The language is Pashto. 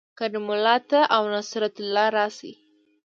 کریم الله ته او نصرت الله راشئ